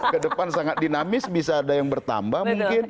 ke depan sangat dinamis bisa ada yang bertambah mungkin